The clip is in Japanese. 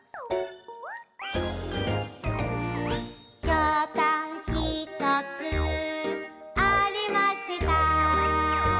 「ひょうたんひとつありました」